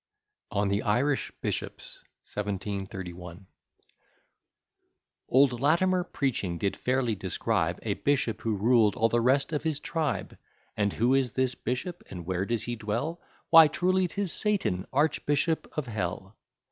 ON THE IRISH BISHOPS. 1731 Old Latimer preaching did fairly describe A bishop, who ruled all the rest of his tribe; And who is this bishop? and where does he dwell? Why truly 'tis Satan, Archbishop of Hell.